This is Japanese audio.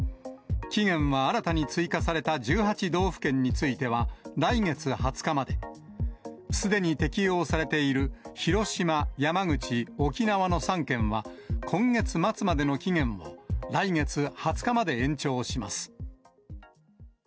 期限は新たに追加された１８道府県については来月２０日まで、すでに適用されている広島、山口、沖縄の３県は、今月末までの期限を、来月２０日まで延長します。